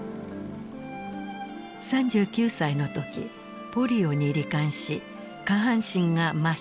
３９歳の時ポリオに罹患し下半身がまひ。